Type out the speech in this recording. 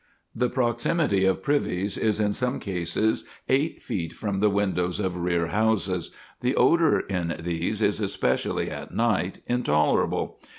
The proximity of privies is in some cases eight feet from the windows of rear houses; the odor in these is, especially at night, intolerable.